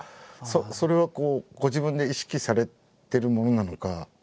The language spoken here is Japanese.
それはこうご自分で意識されてるものなのか。